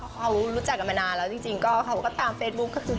เขารู้จักกันมานานแล้วจริงก็เขาก็ตามเฟซบุ๊คก็คือ